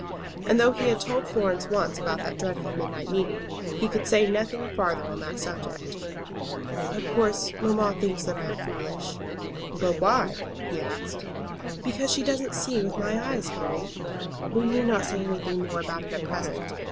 And though he had told Florence once about that dreadful midnight meeting, he could say nothing farther on that subject. "Of course mamma thinks that I am foolish." "But why?" he asked. "Because she doesn't see with my eyes, Harry. We need not say anything more about it at present.